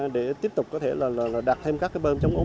để tiếp tục đạt thêm các bơm chống úng